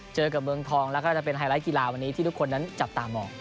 เจอกับเมืองทองแล้วก็จะเป็นไฮไลท์กีฬาวันนี้ที่ทุกคนนั้นจับตามอง